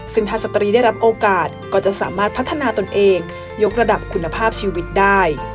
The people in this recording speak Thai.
ซึ่งถ้าสตรีได้รับโอกาสก็จะสามารถพัฒนาตนเองยกระดับคุณภาพชีวิตได้